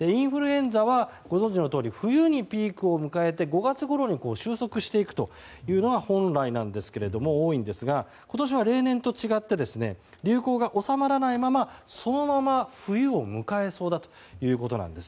インフルエンザはご存じのとおり冬にピークを迎えて５月ごろに収束していくというのが本来多いんですが今年は例年と違って流行が収まらないまま、そのまま冬を迎えそうだということです。